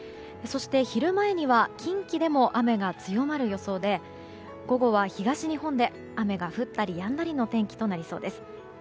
そして、昼前には近畿でも雨が強まる予想で午後は東日本で雨が降ったりやんだりの天気となりそうです。